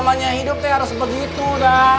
namanya hidup tuh harus begitu dah